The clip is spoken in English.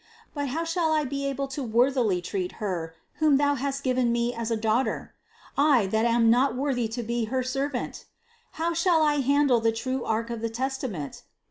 But how shall I be able worthily to treat Her, whom Thou hast given me as a Daughter? I that am not worthy to be her servant? How shall I handle the true ark of the Testament?